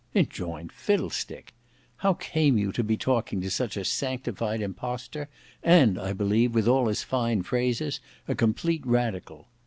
"Enjoin fiddle stick! How came you to be talking to such a sanctified imposter; and, I believe, with all his fine phrases, a complete radical.